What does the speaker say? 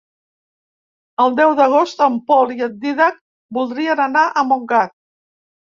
El deu d'agost en Pol i en Dídac voldrien anar a Montgat.